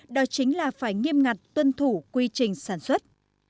đó chính là phải nghiêm ngặt tuân thủ quy trình sản xuất